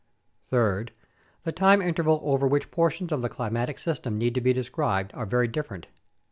Third, the time interval over which portions of the climatic system need to be described are very different.